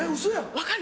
分かる？